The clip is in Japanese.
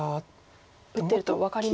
打ってると分かりますか？